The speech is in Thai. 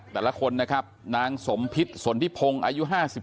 แต่ละคนนะครับนางสมพิษสนทิพงศ์อายุ๕๓